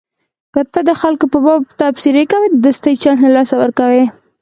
که ته د خلکو په باب تبصرې کوې د دوستۍ چانس له لاسه ورکوې.